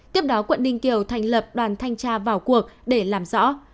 tiếp đó quận ninh kiều thành lập đoàn thanh tra vào cuộc để làm rõ